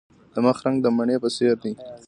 د مخ رنګ د مڼې په څیر دی.